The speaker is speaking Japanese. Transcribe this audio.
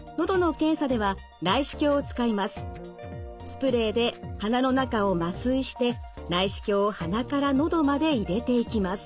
スプレーで鼻の中を麻酔して内視鏡を鼻から喉まで入れていきます。